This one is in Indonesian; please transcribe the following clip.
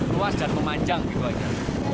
luas dan memanjang gitu aja